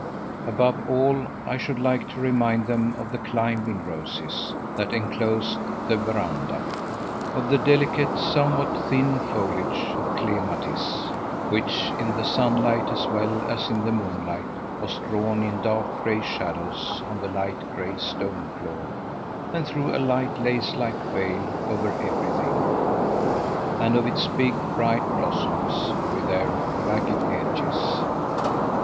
Above all, I should like to remind them of the climbing roses that enclosed the veranda, of the delicate, somewhat thin foliage of the clematis, which in the sunlight as well as in the moonlight was drawn in dark gray shadows on the light gray stone floor and threw a light lace like veil over everything, and of its big, bright blossoms with their ragged edges.